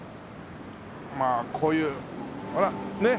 まあこういうほら！ねっ。